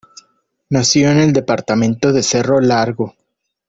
Nació en el departamento de Cerro Largo.